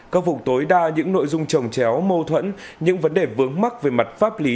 khắc phục tối đa những nội dung trồng chéo mâu thuẫn những vấn đề vướng mắc về mặt pháp lý